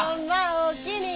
おおきに。